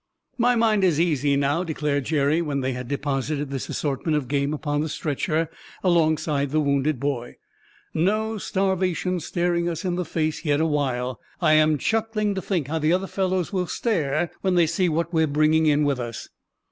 "My mind is easy now!" declared Jerry, when they had deposited this assortment of game upon the stretcher alongside the wounded boy. "No starvation staring us in the face yet awhile. I am chuckling to think how the other fellows will stare when they see what we're bringing in with us."